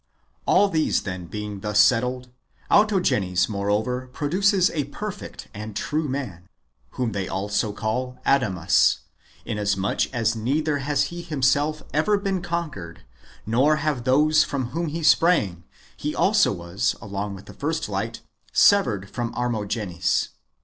All these, then, being thus settled, Autogenes more over produces a perfect and true man, whom they also call Adamas, inasmuch as neither has he himself ever been conquered, nor have those from whom he sprang ; he also was, along with the first light, severed from Armogenes.